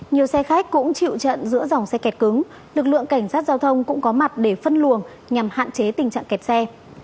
nhiều xe khách cũng chịu trận giữa dòng xe kẹt cứng lực lượng cảnh sát giao thông cũng có mặt để phân luồng nhằm hạn chế tình trạng kẹt xe